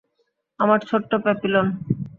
আমার ছোট্ট প্যাপিলন!